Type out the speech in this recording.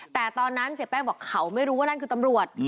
แต่ตอนนั้นเสียแป้งบอกเขาไม่รู้ว่านั่นคือตำรวจ